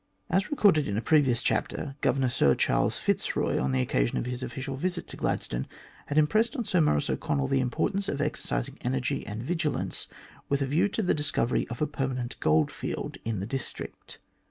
As recorded in a previous chapter, Governor Sir Charles Fitzroy, on the occasion of his official visit to Gladstone, had impressed on Sir Maurice O'Connell the importance of exercising energy and vigilance with a view to the discovery of a permanent goldfield in the district.